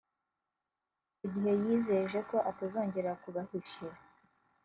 Icyo gihe yizeje ko atazongera kubahishira